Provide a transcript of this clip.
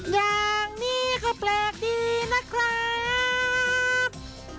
อย่างนี้ก็แปลกดีนะครับ